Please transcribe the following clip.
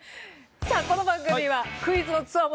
さあこの番組はクイズの強者